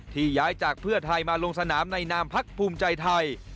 ย้ายจากเพื่อไทยมาลงสนามในนามพักภูมิใจไทย